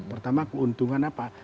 pertama keuntungan apa